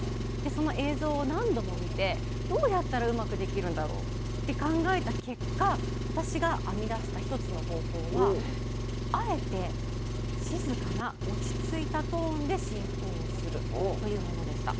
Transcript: その映像を何度も見てどうやったらうまくできるんだろうって考えた結果私が編み出した１つの方法はあえて静かな落ち着いたトーンで進行をするというものでした。